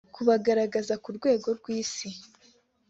kubagaragaza ku rwego rw’Isi